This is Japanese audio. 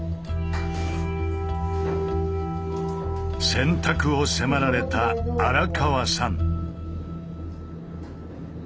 選択を迫られた荒川さん。